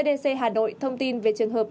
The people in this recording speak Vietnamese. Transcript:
cdc hà nội thông tin về trường hợp